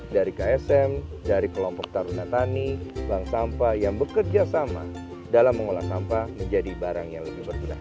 dari ksm dari kelompok taruna tani bank sampah yang bekerja sama dalam mengolah sampah menjadi barang yang lebih berguna